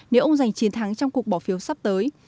nếu ông giành chiến thắng trong cuộc bỏ phiếu sắp tới